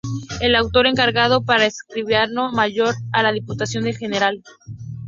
El autor encargado era el escribano mayor de la Diputación del General.